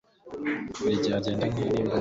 buri gihe agenda n'imbunda